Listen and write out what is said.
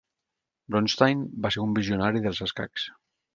Bronstein va ser un visionari dels escacs.